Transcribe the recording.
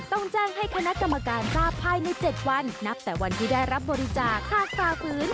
ต้องแจ้งให้คณะกรรมการทราบภายใน๗วันนับแต่วันที่ได้รับบริจาคค่าฝ่าฝืน